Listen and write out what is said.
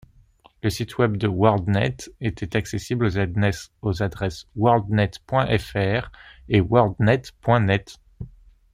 Le site web de Worldnet était accessible aux adresses worldnet.fr et worldnet.net.